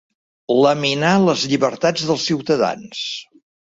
Laminar les llibertats dels ciutadans.